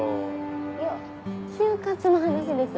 いや就活の話です。